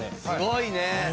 すごいね！